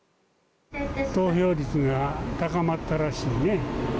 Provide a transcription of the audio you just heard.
投票率が高まったらしいね。